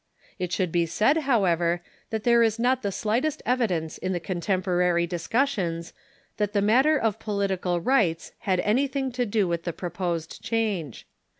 It slionld be said, however, that there is not the sliglit est evidence in the contemporary discussions that the matter of political rights had anything to do with the proposed change.